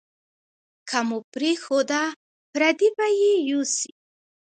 که مو پرېښوده، پردي به یې یوسي.